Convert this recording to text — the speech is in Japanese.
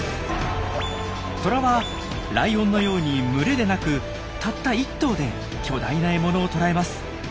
トラはライオンのように群れでなくたった１頭で巨大な獲物を捕らえます。